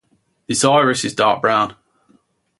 Its iris is dark brown.